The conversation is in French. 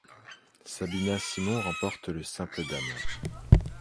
Sabina Simmonds remporte le simple dames.